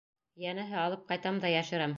Йәнәһе, алып ҡайтам да йәшерәм.